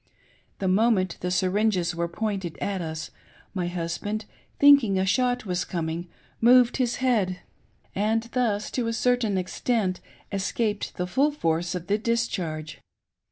The moment the syringes were pointed at us, my husband, think ling a shot was coming, moved his head, and thus to a certain The pate of apostates. S^i CJrtent escaped the full force of the discharge.